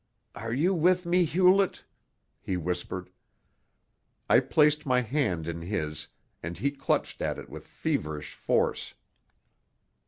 "Are you with me, Hewlett?" he whispered. I placed my hand in his, and he clutched at it with feverish force.